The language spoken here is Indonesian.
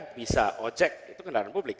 bisa ojek itu kendaraan publik